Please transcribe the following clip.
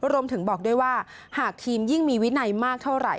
รวมถึงบอกด้วยว่าหากทีมยิ่งมีวินัยมากเท่าไหร่